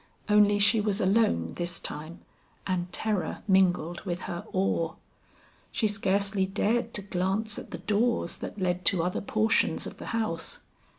Only she was alone this time, and terror mingled with her awe. She scarcely dared to glance at the doors that led to other portions of the house.